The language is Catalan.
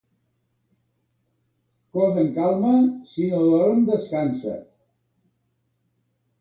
Cos en calma, si no dorm descansa.